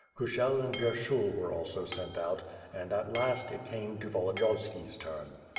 Kushel and Vyershul were also sent out, and, at last, it came to Volo diyovski's turn.